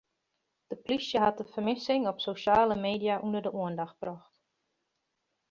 De polysje hat de fermissing op sosjale media ûnder de oandacht brocht.